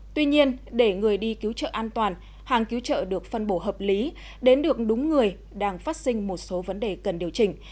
tuy nhiên để người đi cứu trợ an toàn hàng cứu trợ được phân bổ hợp lý đến được đúng người đang phát sinh một số vấn đề cần điều chỉnh